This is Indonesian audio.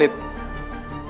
lo masih kecil